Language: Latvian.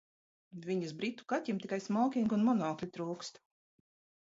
Viņas britu kaķim tikai smokinga un monokļa trūkst!